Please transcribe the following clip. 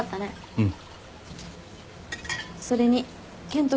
うん。